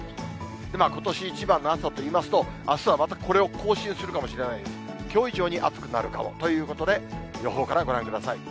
ことし一番の暑さといいますと、あすはまたこれを更新するかもしれない、きょう以上に暑くなるかもということで、予報からご覧ください。